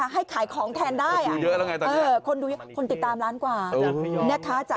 ให้ขายของแทนได้คนติดตามล้านกว่า